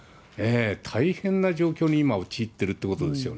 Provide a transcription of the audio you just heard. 大変な状況に今、陥ってるってことですよね。